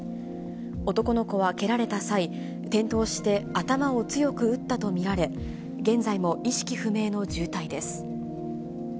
男の子は蹴られた際、転倒して頭を強く打ったと見られ、現在も意識不明の重体です。